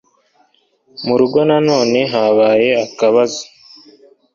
Murugo na nonehabaye akabazo